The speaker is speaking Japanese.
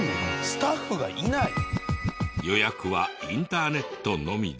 予約はインターネットのみで。